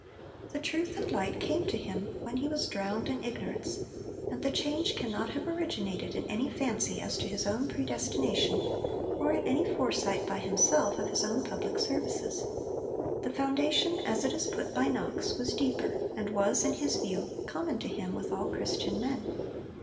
The truth and light came to him when he was 'drowned in ignorance,' and the change cannot have originated in any fancy as to his own predestination, or in any foresight by himself of his own public services. The foundation, as it is put by Knox, was deeper, and was, in his view, common to him with all Christian men.